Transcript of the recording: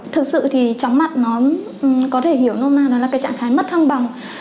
thực sự thì chóng mặt nó có thể hiểu nôm na nó là cái trạng thái mất thăng bằng